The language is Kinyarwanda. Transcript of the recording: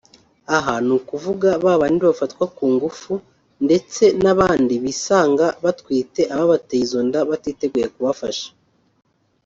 aha ni ukuvuga ba bandi bafatwa ku ngufu ndetse n’abandi bisanga batwite ababateye izo nda batiteguye kubafasha